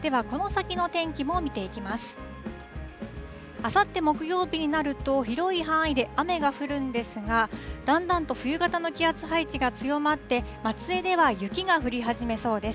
あさって木曜日になると、広い範囲で雨が降るんですが、だんだんと冬型の気圧配置が強まって、松江では雪が降り始めそうです。